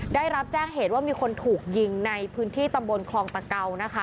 ได้รับแจ้งเหตุว่ามีคนถูกยิงในพื้นที่ตำบลคลองตะเกานะคะ